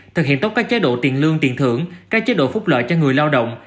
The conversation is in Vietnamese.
thực hiện tốt các chế độ tiền lương tiền thưởng các chế độ phúc lợi cho người lao động